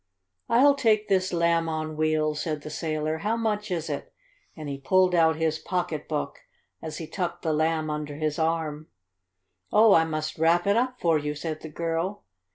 "I'll take this Lamb on Wheels," said the sailor. "How much is it?" and he pulled out his pocketbook, as he tucked the lamb under his arm. "Oh, I must wrap it up for you," said the girl.